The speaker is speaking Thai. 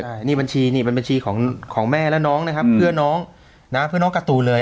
ใช่นี่บัญชีนี่เป็นบัญชีของแม่และน้องนะครับเพื่อนน้องนะเพื่อน้องการ์ตูนเลย